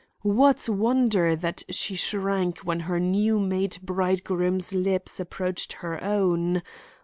What wonder that she shrank when her new made bridegroom's lips approached her own!